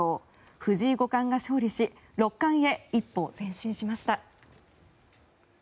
藤井五冠が勝利し六冠へ一歩前進しました。